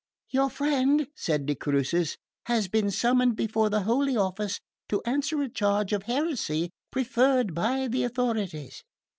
"Your friend," said de Crucis, "has been summoned before the Holy Office to answer a charge of heresy preferred by the authorities.